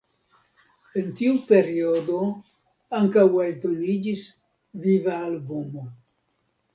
En tiu periodo ankaŭ eldoniĝis viva albumo.